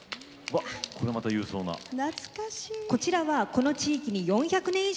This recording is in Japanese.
こちらはこの地域に４００年